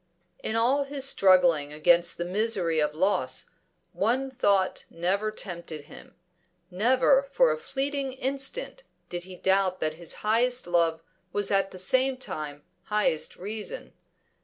In all his struggling against the misery of loss, one thought never tempted him. Never for a fleeting instant did he doubt that his highest love was at the same time highest reason.